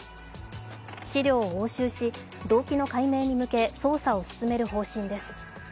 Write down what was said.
資料を押収し、動機の解明に向け捜査を進める方針です。